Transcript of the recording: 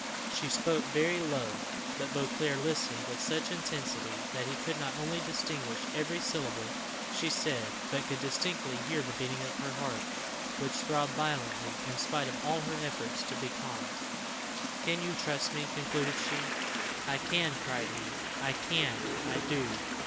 She spoke very low: but Beauclerc listened with such intensity that he could not only distinguish every syllable she said, but could distinctly hear the beating of her heart, which throbbed violently, in spite of all her efforts to be calm. "Can you trust me?" concluded she. "I can," cried he. "I can I do!